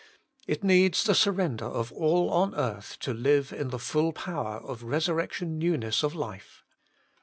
It needs the surrender of all on earth to live in the full power of resurrec tion newness of life.